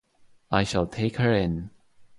I shall take her in.